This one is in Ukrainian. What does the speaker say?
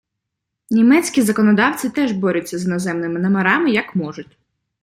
Німецькі законодавці теж борються з іноземними номерами, як можуть.